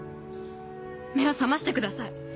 目を覚ましてください。